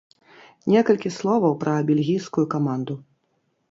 Некалькі словаў пра бельгійскую каманду.